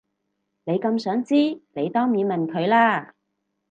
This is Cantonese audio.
你咁想知你當面問佢啦